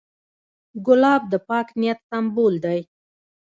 ګلاب د پاک نیت سمبول دی.